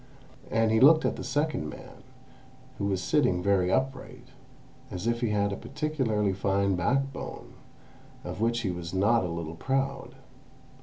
And he looked at the second man, who was sitting very upright, as if he had a particularly fine backbone, of which he was not a little proud.